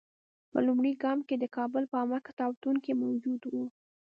په لومړي ګام کې د کابل په عامه کتابتون کې موجود وو.